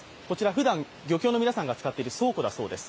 ふだん、漁協の皆さんが使っている倉庫だそうです。